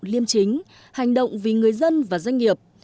liêm chính hành động vì người dân và doanh nghiệp